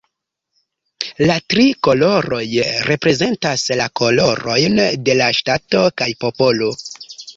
La tri koloroj reprezentas la kolorojn de la ŝtato kaj popolo.